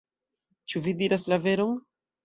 Ĉu vi diras la veron?